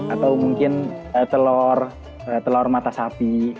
atau mungkin telur telur mata sapi